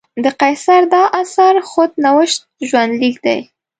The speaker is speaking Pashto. د قیصر دا اثر خود نوشت ژوندلیک دی.